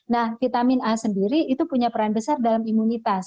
nah vitamin a sendiri itu punya peran besar dalam imunitas